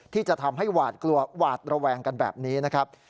ที่จะทำให้หวาดกลัวหวาดระแวงกันแบบนี้นะครับ